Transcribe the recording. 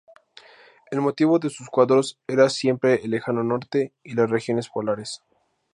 El motivo de sus cuadros era siempre el lejano norte y las regiones polares.